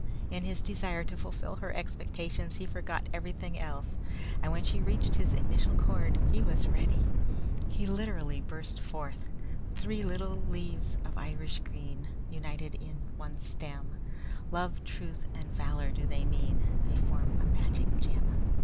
In his desire to fulfill her expectations he forgot everything else, and when she reached his initial chord he was ready. He literally burst forth: "Three little leaves of Irish green, United on one stem, Love, truth, and valor do they mean, They form a magic gem."